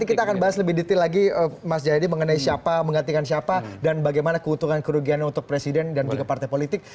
nanti kita akan bahas lebih detail lagi mas jayadi mengenai siapa menggantikan siapa dan bagaimana keuntungan kerugiannya untuk presiden dan juga partai politik